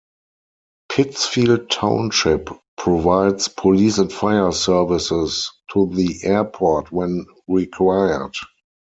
Pittsfield Township provides police and fire services to the airport when required.